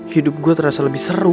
hidup gue terasa lebih seru